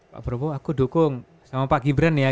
pak prabowo aku dukung sama pak gibran ya